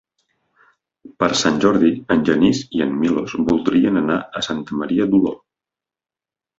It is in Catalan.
Per Sant Jordi en Genís i en Milos voldrien anar a Santa Maria d'Oló.